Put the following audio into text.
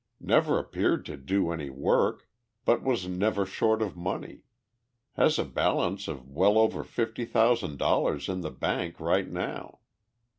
Never appeared to do any work, but was never short of money. Has a balance of well over fifty thousand dollars in the bank right now.